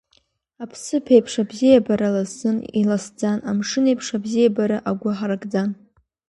Аԥсыԥ еиԥш абзиабара ласын, иласӡан, амшын еиԥш абзиабара агәы ҳаракӡан.